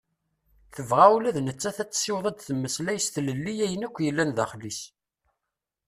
Tebɣa ula d nettat ad tessiweḍ ad temmeslay s tlelli ayen akk yellan daxel-is.